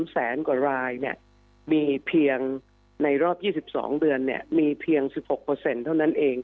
แสนกว่ารายมีเพียงในรอบ๒๒เดือนมีเพียง๑๖เท่านั้นเอง